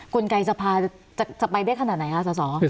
กลไกรสภาจะไปได้ขนาดไหนครับสภา